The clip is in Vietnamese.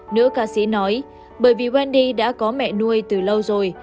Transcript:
nữ ca sĩ nói bởi vì wandy đã có mẹ nuôi từ lâu rồi